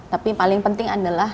tapi paling penting adalah